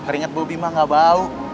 ringet bobby mah gak bau